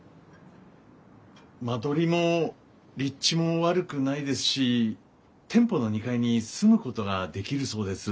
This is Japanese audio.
間取りも立地も悪くないですし店舗の２階に住むことができるそうです。